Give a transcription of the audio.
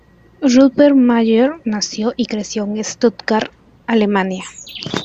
Rupert Mayer nació y creció en Stuttgart, Alemania.